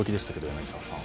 柳澤さん。